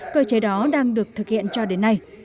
cơ chế đó đang được thực hiện cho đến nay